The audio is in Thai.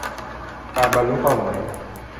การบรรลุเป้าหมาย